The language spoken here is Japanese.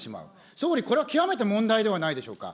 総理、これは極めて問題ではないでしょうか。